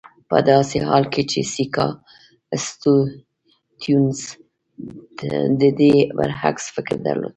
په داسې حال کې چې سیاکا سټیونز د دې برعکس فکر درلود.